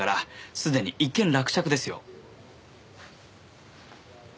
すでに一件落着ですよ。